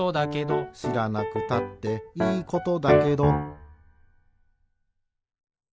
「しらなくたっていいことだけど」